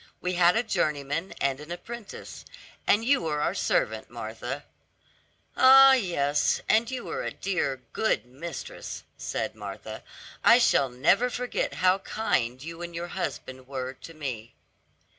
We had a journeyman and an apprentice, and you were our servant, Martha." "Ah, yes, and you were a dear, good mistress," said Martha, "I shall never forget how kind you and your husband were to me."